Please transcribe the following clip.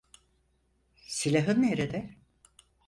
Silahın nerede?